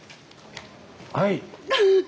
はい。